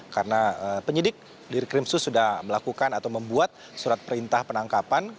karena penyidik diri krimsus sudah melakukan atau membuat surat perintah penangkapan